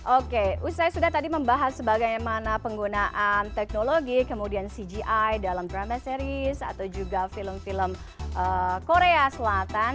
oke usai sudah tadi membahas bagaimana penggunaan teknologi kemudian cgi dalam drama series atau juga film film korea selatan